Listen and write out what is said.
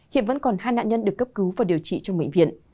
hiện vẫn còn hai nạn nhân được cấp cứu và điều trị trong bệnh viện